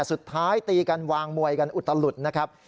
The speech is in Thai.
สุดท้ายตีกันวางมวยกันอุตลุดนะครับ